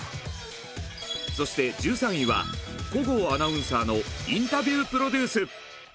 そして１３位は小郷アナウンサーのインタビュープロデュース！